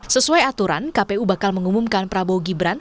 sesuai aturan kpu bakal mengumumkan prabowo gibran